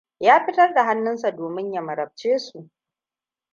Ya fitar da hannunsa domin ya marabce mu.